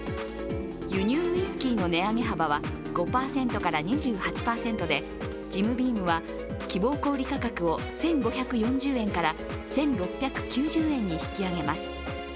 輸入ウイスキーの値上げ幅は５％から２８％でジムビームは希望小売価格を１５４０円から１６９０円に引き上げます。